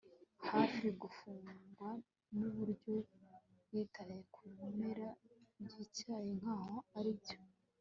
hafi gukundwa, nuburyo yitaye ku bimera byicyayi nkaho aribyo